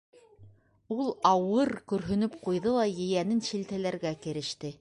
Ул ауыр көрһөнөп ҡуйҙы ла ейәнен шелтәләргә кереште.